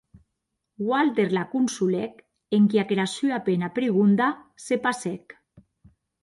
Walter la consolèc enquia qu’era sua pena prigonda se passèc.